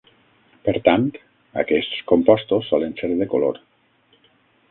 Per tant, aquests compostos solen ser de color.